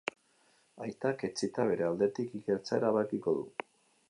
Aitak, etsita, bere aldetik ikertzea erabakiko du.